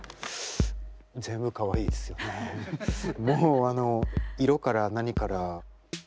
もうあの色から何から。